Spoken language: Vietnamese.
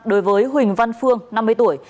đối với huỳnh văn phương năm mươi tuổi